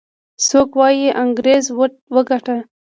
څوک وايي انګريز وګاټه.